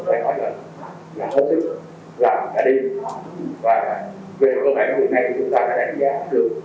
và về loại bệnh này thì chúng ta đã đánh giá được có thể sắp xếp về một hầu nào đó của các cây bụng đỏ bụng